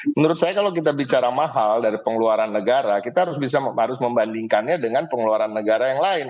menurut saya kalau kita bicara mahal dari pengeluaran negara kita harus membandingkannya dengan pengeluaran negara yang lain